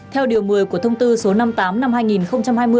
theo điều một mươi của thông tư số năm mươi tám năm hai nghìn